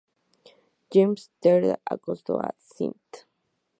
James Theatre"; acortado a "St.